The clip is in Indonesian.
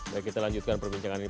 baik kita lanjutkan perbincangan ini